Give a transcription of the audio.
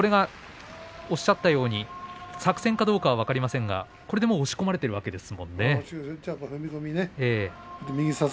おっしゃったように作戦かどうかは分かりませんが押し込まれているわけですね。